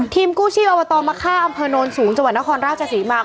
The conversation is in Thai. ทีมกู้ชีเอามาต่อมาข้ามอำเภณนท์สูงจังหวัดนครราชศรีมาก